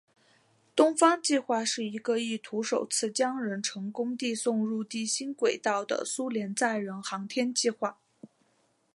东方计划是一个意图首次将人成功地送入地心轨道的苏联载人航天计划。